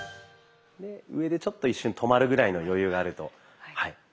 上でちょっと一瞬止まるぐらいの余裕があるとはい。